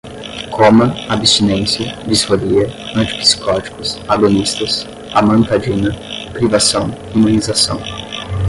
coma, abstinência, disforia, antipsicóticos, agonistas, amantadina, privação, imunização